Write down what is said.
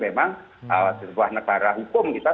memang sebuah negara hukum kita